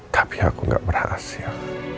tapi aku gak berhasil